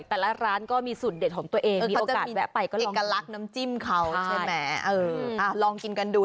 แต่ละร้านก็มีสุดเด็ดของตัวเองมีโอกาสแวะไปก็ลองเอกลักษณ์น้ำจิ้มเขาใช่ไหมเอออ่าลองกินกันดู